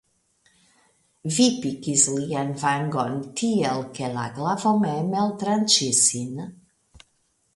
Vi pikis lian vangon, tiel ke la glavo mem eltranĉis sin.